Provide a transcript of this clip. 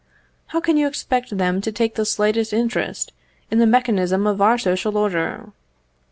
How can you expect them to take the slightest interest in the mechanism of our social order?